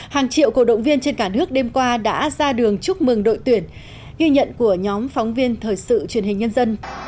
hàng triệu cổ động viên trên cả nước đêm qua đã ra đường chúc mừng đội tuyển ghi nhận của nhóm phóng viên thời sự truyền hình nhân dân